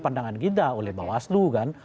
pandangan kita oleh bawah seluruh